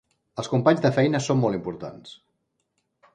Els companys de feina són molt importants.